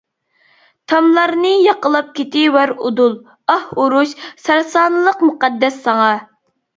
تاملارنى ياقىلاپ كېتىۋەر ئۇدۇل، ئاھ ئۇرۇش، سەرسانلىق مۇقەددەس ساڭا.